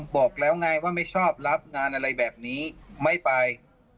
บอกแล้วไงว่าไม่ชอบรับงานอะไรแบบนี้ไม่ไป